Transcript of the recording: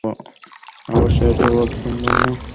অবশ্যই এতে বোধশক্তিসম্পন্ন সম্প্রদায়ের জন্য রয়েছে নিদর্শন।